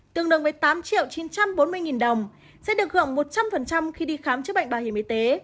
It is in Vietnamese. tương đương với tám chín trăm bốn mươi nghìn đồng sẽ được hưởng một trăm linh khi đi khám chữa bệnh bảo hiểm y tế